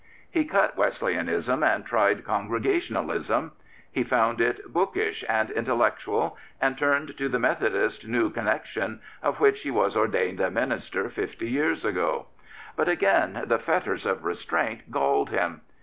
He cut Wesleyanism and tried Congregationalism. He found it bookish and in tellectual and turned to the Methodist New Con nexion, of which he was ordained a minister fifty years ago. But again the fetters of restraint galled him.